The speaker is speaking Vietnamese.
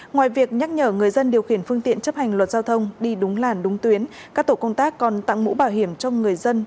ngoài việc nhắc nhở người dân điều khiển phương tiện chấp hành luật giao thông đi đúng làn đúng tuyến các tổ công tác còn tặng mũ bảo hiểm cho người dân